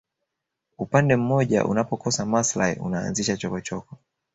upande mmoja unapokosa maslahi unaanzisha chokochoko